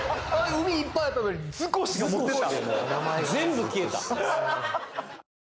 海いっぱいあったのに図越が持っていった？